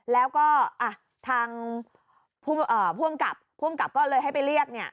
แล้วก็ทางผู้บังคับก็เลยให้ไปเรียก